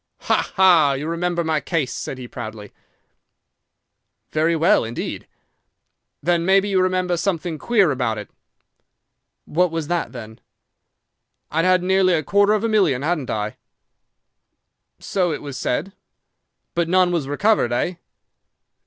"'"Ha, ha! You remember my case!" said he proudly. "'"Very well, indeed." "'"Then maybe you remember something queer about it?" "'"What was that, then?" "'"I'd had nearly a quarter of a million, hadn't I?" "'"So it was said." "'"But none was recovered, eh?"